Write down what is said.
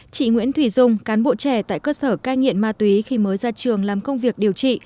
chị nguyễn thùy dung cán bộ trẻ tại cơ sở cai nghiện ma túy khi mới ra trường làm công việc điều trị